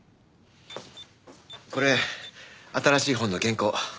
これ新しい本の原稿。